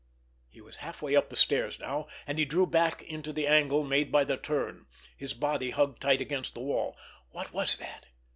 He was halfway up the stairs now, and he drew back into the angle made by the turn, his body hugged tight against the wall. What was that!